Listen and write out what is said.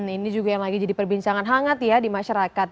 ini juga yang lagi jadi perbincangan hangat ya di masyarakat